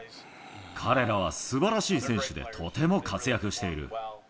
彼らはすばらしい選手で、とても活躍している。